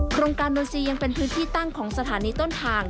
โครงการโนซียังเป็นพื้นที่ตั้งของสถานีต้นทาง